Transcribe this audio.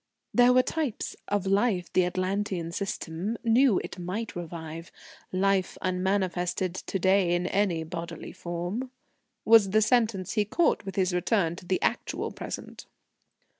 "There were types of life the Atlantean system knew it might revive life unmanifested to day in any bodily form," was the sentence he caught with his return to the actual present.